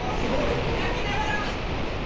泣きながら。